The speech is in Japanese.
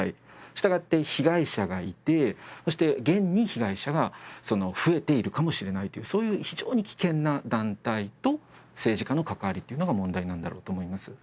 したがって、被害者がいて、現に被害者が増えているかもしれないというそういう非常に危険な団体と政治家の関わりが問題なんだろうと思います。